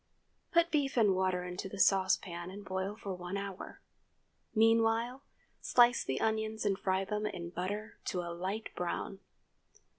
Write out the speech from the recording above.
Put beef and water into the saucepan and boil for one hour. Meanwhile, slice the onions and fry them in butter to a light brown.